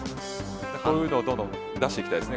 こういうのをどんどん出していきたいですね